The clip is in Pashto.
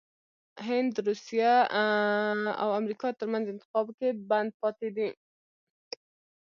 هند دروسیه او امریکا ترمنځ انتخاب کې بند پاتې دی😱